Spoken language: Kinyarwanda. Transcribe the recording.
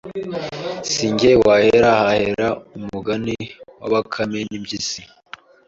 Si jye wahera hahera umugani wabakame n’impyisi